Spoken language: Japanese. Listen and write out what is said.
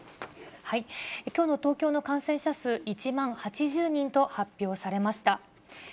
きょうの東京の感染者数、１万８０人と発表されました。